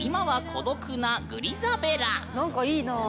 何かいいなあ。